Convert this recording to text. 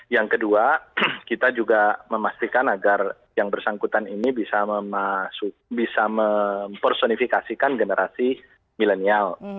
yang kedua kita juga memastikan agar yang bersangkutan ini bisa mempersonifikasikan generasi milenial